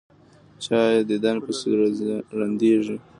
چا یې دیدن پسې ړندېږي.